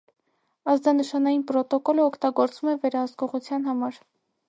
Ազդանշանային պրոտոկոլը օգտագործվում է վերահսկողության համար։